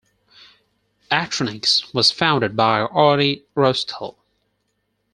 Artronix was founded by Arne Roestel.